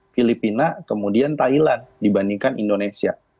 filipina kemudian thailand dibandingkan indonesia